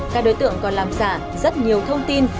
các đối tượng còn làm giả rất nhiều thông tin